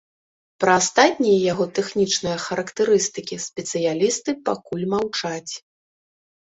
Пра астатнія яго тэхнічныя характарыстыкі спецыялісты пакуль маўчаць.